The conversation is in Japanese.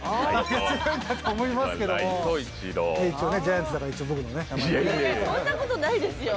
そんなことないですよ。